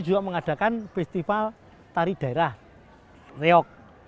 juga mengadakan festival tari daerah reok